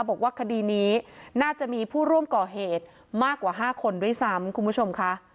บอกว่าคดีนี้น่าจะมีผู้ร่วมก่อเหตุมากกว่า๕คนด้วยซ้ำคุณผู้ชมค่ะ